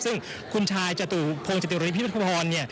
ซึ่งคุณชายจตุพลงจติฤทธรีพิพัทธวอน